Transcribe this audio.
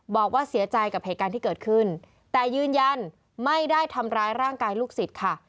บอกว่าเสียใจกับเหตุการณ์ที่เกิดขึ้นแต่ยืนยันไม่ได้ทำร้ายร่างกายลูกศิษย์ค่ะ